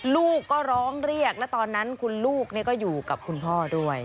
ลูกก็ร้องเรียกแล้วตอนนั้นคุณลูกก็อยู่กับคุณพ่อด้วย